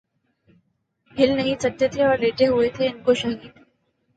ہل نہیں سکتے تھے اور لیٹے ہوئے تھے انکو شہید